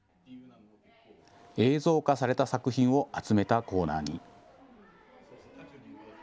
映像化された作品を集めたコーナーに。